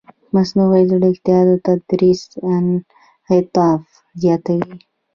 مصنوعي ځیرکتیا د تدریس انعطاف زیاتوي.